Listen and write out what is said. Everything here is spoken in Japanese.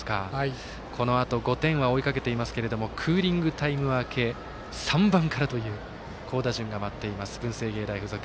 このあと５点は追いかけていますがクーリングタイム明け３番からという好打順が回っています、文星芸大付属。